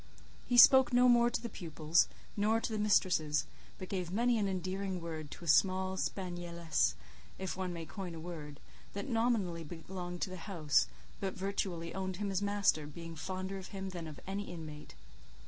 He spoke no more to the pupils, nor to the mistresses, but gave many an endearing word to a small spanieless (if one may coin a word), that nominally belonged to the house, but virtually owned him as master, being fonder of him than any inmate.